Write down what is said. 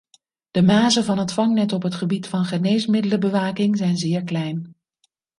De mazen van het vangnet op het gebied van de geneesmiddelenbewaking zijn zeer klein.